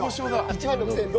１万６０００円